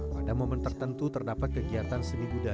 pada momen tertentu terdapat kegiatan segera